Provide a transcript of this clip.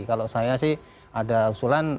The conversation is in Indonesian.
kalau saya sih ada usulan